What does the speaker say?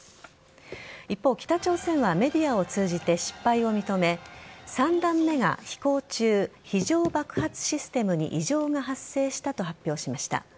一方、北朝鮮はメディアを通じて失敗を認め３段目が飛行中非常爆発システムに異常が発生したと発表しました。